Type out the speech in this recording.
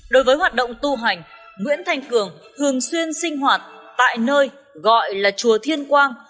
đối với hoạt động tu hành nguyễn thanh cường thường xuyên sinh hoạt tại nơi gọi là chùa thiên quang